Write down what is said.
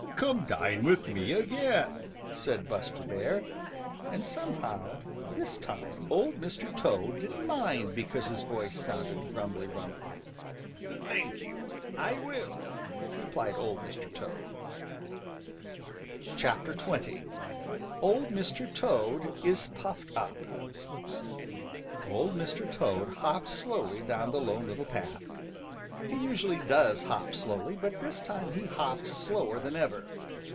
"Come dine with me again," said Buster Bear, and somehow this time Old Mr. Toad didn't mind because his voice sounded grumbly rumbly. "Thank you, I will," replied Old Mr. Toad. XX OLD MR. TOAD IS PUFFED UP Old Mr. Toad hopped slowly down the Lone Little Path. He usually does hop slowly, but this time he hopped slower than ever.